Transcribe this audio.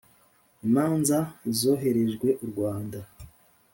imanza zohererejwe u Rwanda